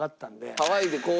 ハワイでこう。